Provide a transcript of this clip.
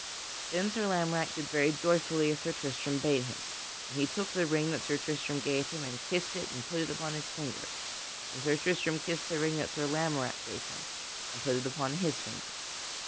Then Sir Lamorack did very joyfully as Sir Tristram bade him, and he took the ring that Sir Tristram gave him and kissed it and put it upon his finger; and Sir Tristram kissed the ring that Sir Lamorack gave him and put it upon his finger.